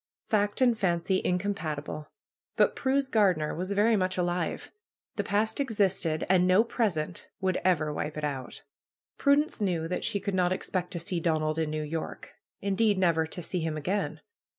Fact and fancy incompatible. But Prue's gardener was very much alive. The past existed, and no present would ever wipe it out. PRUE'S GARDENER Prudence knew that she could not expect to see Don ald in New York; indeed, never to see him again.